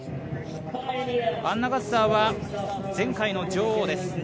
アンナ・ガッサーは前回の女王です。